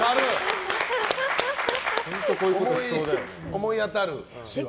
思い当たる節は？